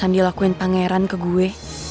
dilakuin pangeran ke gue